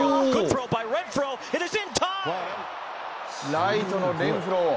ライトのレンフロー